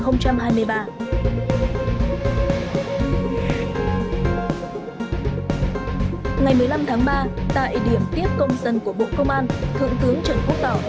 ngày một mươi năm tháng ba tại điểm tiếp công dân của bộ công an thượng tướng trần quốc tỏ